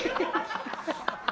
ハハハハ！